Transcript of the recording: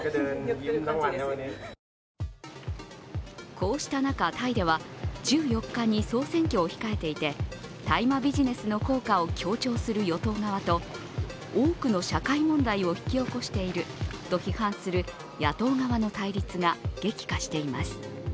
こうした中、タイでは１４日に総選挙を控えていて大麻ビジネスの効果を強調する与党側と、多くの社会問題を引き起こしていると批判する野党側の対立が激化しています。